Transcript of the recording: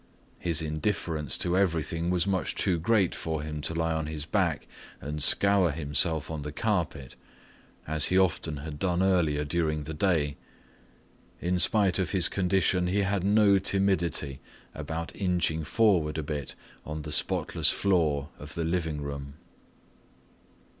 His indifference to everything was much too great for him to lie on his back and scour himself on the carpet, as he often had done earlier during the day. In spite of his condition he had no timidity about inching forward a bit on the spotless floor of the living room.